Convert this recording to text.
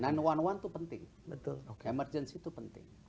sembilan ratus sebelas itu penting emergency itu penting